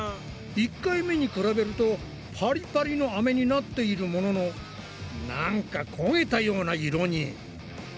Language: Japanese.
１回目に比べるとパリパリのアメになっているものの何かこげたような色に。